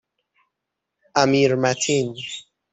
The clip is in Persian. امیرمتین